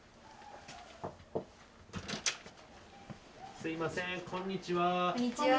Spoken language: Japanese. すみません、こんにちは。